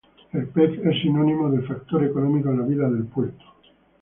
El pez es sinónimo del factor económico en la vida del puerto.